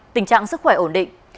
tình trạng sức khỏe ổn định